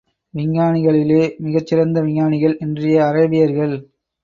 விஞ்ஞானிகளிலே மிகச் சிறந்த விஞ்ஞானிகள் இன்றைய அரேபியர்கள்.